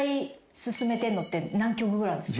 進めてるのって何曲ぐらいあるんですか？